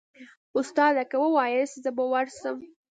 استاده که واياست زه به ورسم.